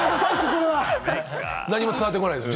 何も伝わってこないです。